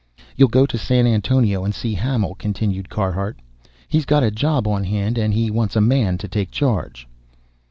"You'll go to San Antonio and see Hamil," continued Carhart. "He's got a job on hand and he wants a man to take charge."